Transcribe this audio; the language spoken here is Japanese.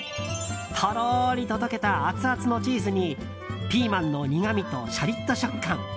とろーりと溶けたアツアツのチーズにピーマンの苦みとシャリッと食感。